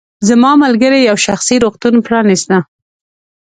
زما ملګرې یو شخصي روغتون پرانیسته.